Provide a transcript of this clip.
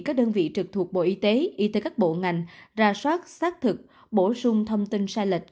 các đơn vị trực thuộc bộ y tế y tế các bộ ngành ra soát xác thực bổ sung thông tin sai lệch